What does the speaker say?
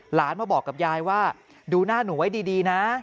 หลานมาบอกกับยายว่าดูหน้าหนูไว้ดีนะ